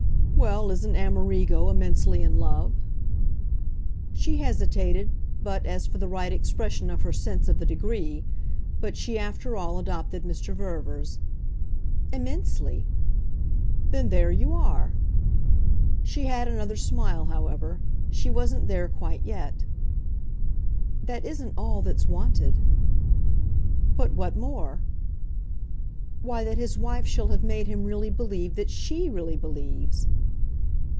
"Well, isn't Amerigo immensely in love?" She hesitated but as for the right expression of her sense of the degree but she after all adopted Mr. Verver's. "Immensely." "Then there you are!" She had another smile, however she wasn't there quite yet. "That isn't all that's wanted." "But what more?" "Why that his wife shall have made him really believe that SHE really believes."